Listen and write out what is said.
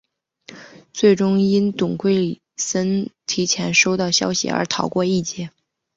最终因董桂森提前收到消息而逃过一劫。